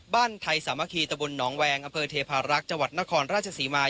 ไทยสามัคคีตะบลหนองแวงอำเภอเทพารักษ์จังหวัดนครราชศรีมา